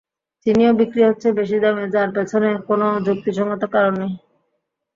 চিনিও বিক্রি হচ্ছে বেশি দামে, যার পেছনে কোনো যুক্তিসংগত কারণ নেই।